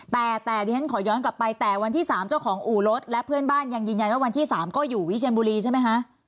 แต่แต่ดิฉันขอย้อนกลับไปแต่วันที่๓เจ้าของอู่รถและเพื่อนบ้านยังยืนยันว่าวันที่๓ก็อยู่วิเชียนบุรีใช่ไหมคะ